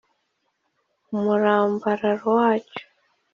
umurambararo wacyo